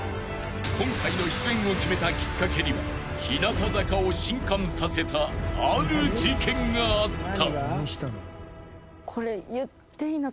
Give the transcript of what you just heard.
［今回の出演を決めたきっかけには日向坂を震撼させたある事件があった］